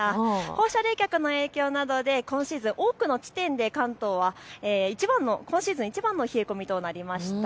放射冷却の影響などで今シーズン多くの地点で関東は今シーズンいちばんの冷え込みとなりました。